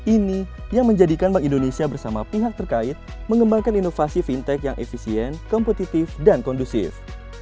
ini yang menjadikan bank indonesia bersama pihak terkait mengembangkan inovasi fintech yang efisien kompetitif dan kondusif